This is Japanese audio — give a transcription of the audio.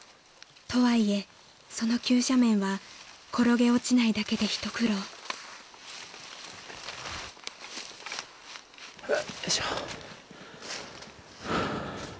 ［とはいえその急斜面は転げ落ちないだけで一苦労］よいしょ。